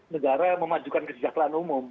negara memajukan kesejahteraan umum